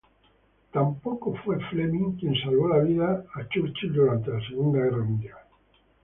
Tampoco fue Fleming quien salvó la vida a Churchill durante la Segunda Guerra Mundial.